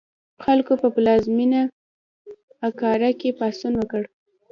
خلکو په پلازمېنه اکرا کې پاڅون وکړ.